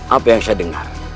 apa yang saya dengar